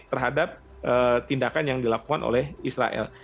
terhadap tindakan yang dilakukan oleh israel